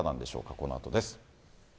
このあとです。